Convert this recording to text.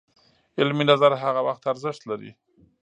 علمي نظر هغه وخت ارزښت لري